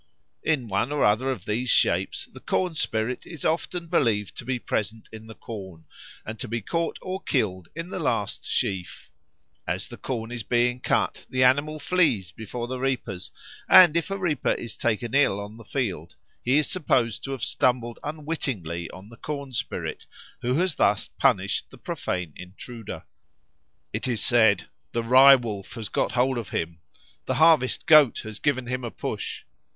In one or other of these shapes the corn spirit is often believed to be present in the corn, and to be caught or killed in the last sheaf. As the corn is being cut the animal flees before the reapers, and if a reaper is taken ill on the field, he is supposed to have stumbled unwittingly on the corn spirit, who has thus punished the profane intruder. It is said "the Rye wolf has got hold of him," "the Harvest goat has given him a push."